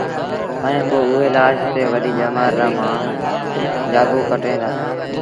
ائيٚݩ پو اُئي لآش تي وڏيٚ ڄمآر رآ مآڻهوٚٚݩجآڳو ڪٽين دآ